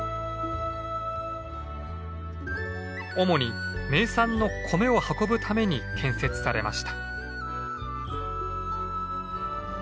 主に名産の米を運ぶために建設されました。